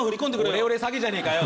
オレオレ詐欺じゃねえかよ。